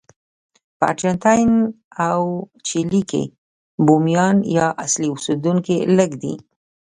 په ارجنټاین او چیلي کې بومیان یا اصلي اوسېدونکي لږ دي.